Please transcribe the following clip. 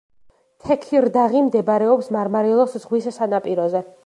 თექირდაღი მდებარეობს მარმარილოს ზღვის სანაპიროზე.